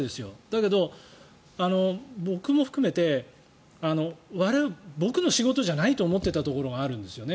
だけど僕も含めて僕の仕事じゃないと思っていたところがあるんですよね。